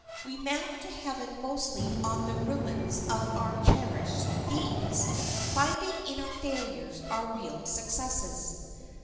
We mount to heaven mostly on the ruins of our cherished schemes, finding in our failures our real successes.